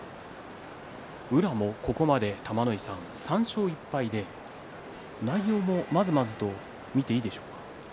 宇良もここまで３勝１敗で内容もまずまずと見ていいでしょうか。